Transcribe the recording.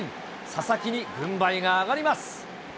佐々木に軍配が上がります。